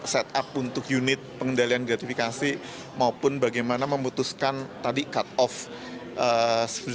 set up untuk unit pengendalian gratifikasi maupun bagaimana memutuskan tadi cut off